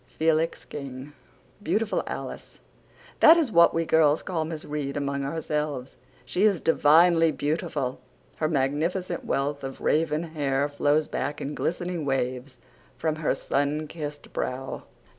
FELIX KING. BEAUTIFUL ALICE That is what we girls call Miss Reade among ourselves. She is divinely beautiful. Her magnificent wealth of raven hair flows back in glistening waves from her sun kissed brow.